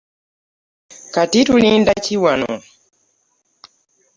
Kati tulinda ki wano.